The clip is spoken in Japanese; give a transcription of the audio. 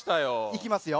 いきますよ。